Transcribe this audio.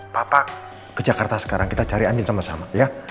papa ke jakarta sekarang kita cari andi sama sama ya